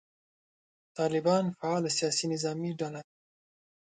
طالبان فعاله سیاسي نظامي ډله ده.